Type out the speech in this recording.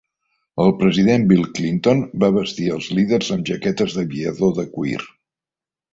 El president Bill Clinton va vestir els líders amb jaquetes d'aviador de cuir.